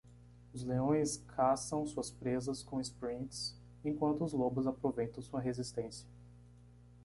Os leões caçam suas presas com sprints?, enquanto os lobos aproveitam sua resistência.